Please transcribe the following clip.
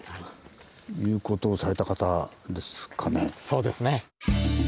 そうですね！